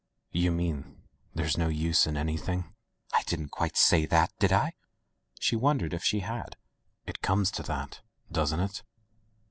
"You mean there's no use in anything ?'* "I didn't quite say that, did I?'' She wondered if she had. " It comes to that, doesn't it